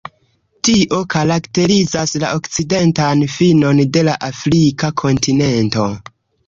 Tio karakterizas la okcidentan finon de la Afrika kontinento.